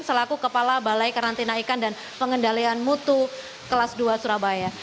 selaku kepala balai karantina ikan dan pengendalian mutu kelas dua surabaya